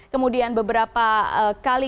kemudian beberapa kali